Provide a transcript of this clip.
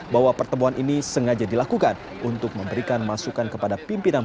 bahwa pertemuan ini sengaja dilakukan untuk memberikan masukan kepada pimpinan